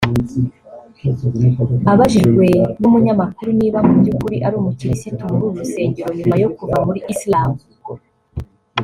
Abajijwe n’umunyamakuru niba mu by'ukuri ari umukirisitu muri uru rusengero nyuma yo kuva muri Islam